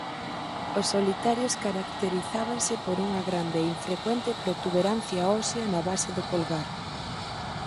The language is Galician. Os solitarios caracterizábanse por unha grande e infrecuente protuberancia ósea na base do polgar.